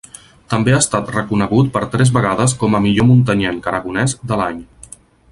També ha estat reconegut per tres vegades com a millor muntanyenc aragonès de l'any.